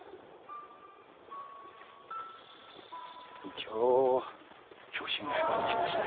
一応強心剤は打ちました。